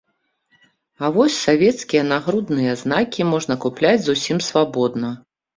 А вось савецкія нагрудныя знакі можна купляць зусім свабодна.